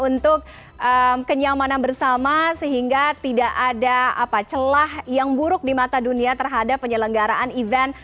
untuk kenyamanan bersama sehingga tidak ada celah yang buruk di mata dunia terhadap penyelenggaraan event